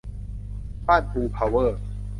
บ้านปู เพาเวอร์